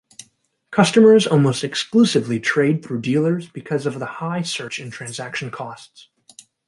Customers almost exclusively trade through dealers because of the high search and transaction costs.